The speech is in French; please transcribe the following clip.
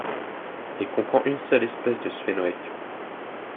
Il comprend une seule espèce de sphénoèques.